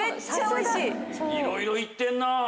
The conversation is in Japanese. いろいろ行ってんな。